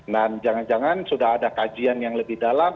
dan jangan jangan sudah ada kajian yang lebih dalam